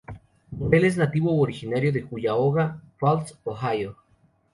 Morell es nativo u originario de Cuyahoga Falls, Ohio.